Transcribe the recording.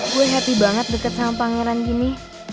gue happy banget dekat sama pangeran gini